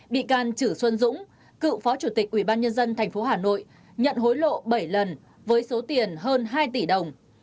bị can chử xuân dũng cựu phó chủ tịch ubnd tp hà nội nhận hối lộ bảy lần với số tiền hơn hai tỷ đồng